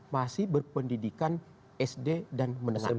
masih berpendidikan sd dan menengah